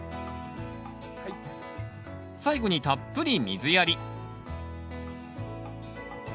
最後にたっぷり水やりあ。